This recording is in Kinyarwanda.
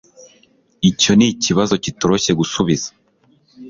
Icyo nikibazo kitoroshye gusubiza